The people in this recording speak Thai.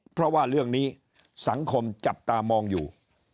เพราะว่าเรื่องนี้สังคมจับตามองอยู่